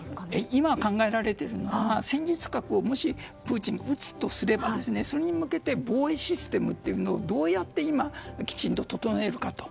今考えられているのは戦術核をもしプーチンが撃つとすればそれに向けて、防衛システムをどうやって整えるかと。